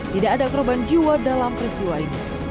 tidak ada korban jiwa dalam peristiwa ini